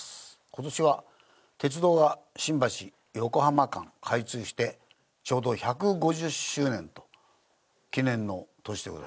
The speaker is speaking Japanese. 今年は鉄道が新橋横浜間開通してちょうど１５０周年の記念の年でございます。